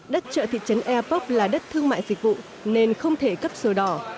đất chợ thị trấn eapop là đất thương mại dịch vụ nên không thể cấp sâu đỏ